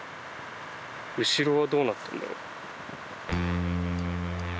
後ろはどうなってるんだろう？